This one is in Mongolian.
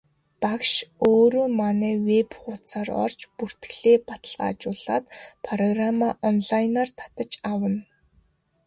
Багш өөрөө манай веб хуудсаар орж бүртгэлээ баталгаажуулаад программаа онлайнаар татаж авна.